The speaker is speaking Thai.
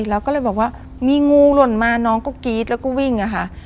แล้วก็เลยบอกว่ามีงูหล่นมาน้องก็กรี๊ดแล้วก็วิ่งอะค่ะ